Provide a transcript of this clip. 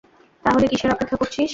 তাহলে কিসের অপেক্ষা করছিস?